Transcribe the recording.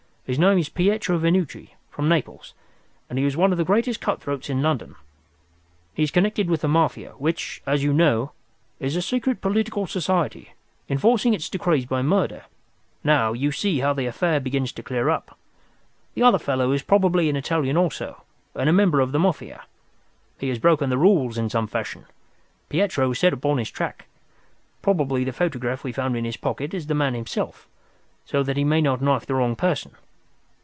His name is Pietro Venucci, from Naples, and he is one of the greatest cut throats in London. He is connected with the Mafia, which, as you know, is a secret political society, enforcing its decrees by murder. Now, you see how the affair begins to clear up. The other fellow is probably an Italian also, and a member of the Mafia. He has broken the rules in some fashion. Pietro is set upon his track. Probably the photograph we found in his pocket is the man himself, so that he may not knife the wrong person.